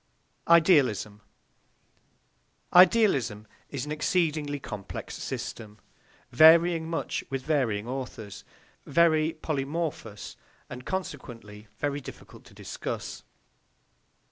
IDEALISM Idealism is an exceedingly complex system, varying much with varying authors, very polymorphous, and consequently very difficult to discuss.